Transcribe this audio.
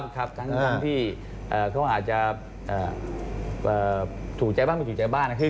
ครับทั้งที่เขาอาจจะถูกใจบ้างไม่ถูกใจบ้างนะครับ